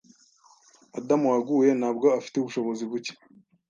Adamu waguye ntabwo afite ubushobozi buke